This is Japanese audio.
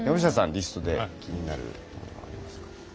リストで気になるものはありますか？